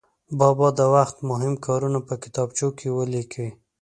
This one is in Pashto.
بابا د وخت مهم کارونه په کتابچو کې ولیکي.